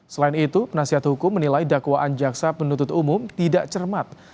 selain itu penasihat hukum menilai dakwaan jaksa penuntut umum tidak cermat